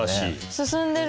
進んでる。